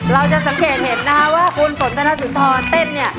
เราจะสังเกตเห็นนะคะว่าคุณฝนธนสุนทรเต้นเนี่ย